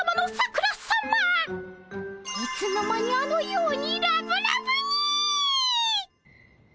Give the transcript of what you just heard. いつの間にあのようにラブラブに！